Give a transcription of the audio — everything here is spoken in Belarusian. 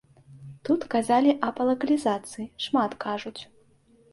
Тут казалі аб лакалізацыі, шмат кажуць.